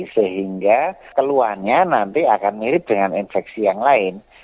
sehingga keluhannya nanti akan mirip dengan infeksi yang lain